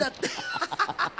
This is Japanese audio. アハハハ！